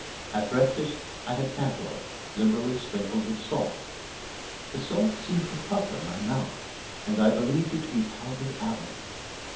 At breakfast I had cantaloupe, liberally sprinkled with salt. The salt seemed to pucker my mouth, and I believed it to be powdered alum.